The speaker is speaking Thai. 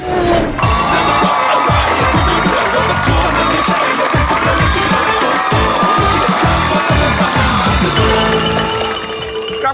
ตุ๊กตุ๊กตุ๊กตุ๊ก